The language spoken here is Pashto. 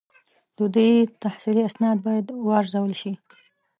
د دوی تحصیلي اسناد باید وارزول شي.